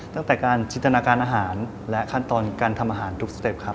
ตั้งแต่การจินตนาการอาหารและขั้นตอนการทำอาหารทุกสเต็ปครับ